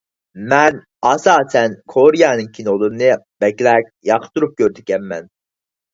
مەن ئاساسەن كورېيەنىڭ كىنولىرىنى بەكرەك ياقتۇرۇپ كۆرىدىكەنمەن.